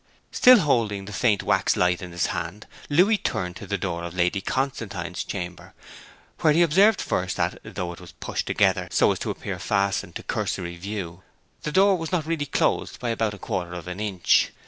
Still holding the faint wax light in his hand Louis turned to the door of Lady Constantine's chamber, where he observed first that, though it was pushed together so as to appear fastened to cursory view, the door was not really closed by about a quarter of an inch.